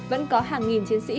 vẫn có hàng nghìn chiến sĩ